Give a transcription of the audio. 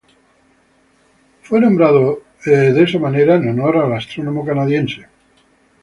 Fue nombrado Heard en honor al astrónomo canadiense John Frederick Heard.